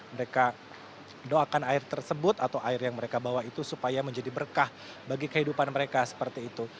mereka doakan air tersebut atau air yang mereka bawa itu supaya menjadi berkah bagi kehidupan mereka seperti itu